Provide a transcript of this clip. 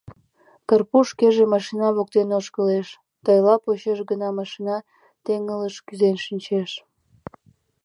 Карпуш шкеже машина воктен ошкылеш, тайыл почеш гына машина теҥгылыш кӱзен шинчеш.